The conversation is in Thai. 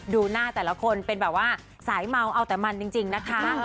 ดูหน้าแต่ละคนเป็นแบบว่าสายเมาเอาแต่มันจริงนะคะ